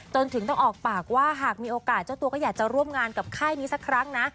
จนถึงต้องออกปากว่าหากมีโอกาสเจ้าตัวก็อยากจะร่วมงานกับค่ายนี้สักครั้งนะ